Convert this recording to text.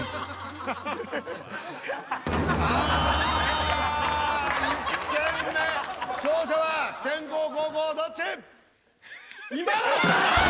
１戦目勝者は先攻後攻どっち？